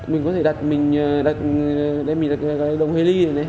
mình có thể đặt mình đặt đây mình đặt cái đồng hê ly này này